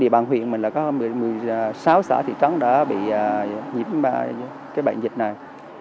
bàn huyện mình là có một mươi sáu xã thị trấn đã bị nhiễm bệnh dịch này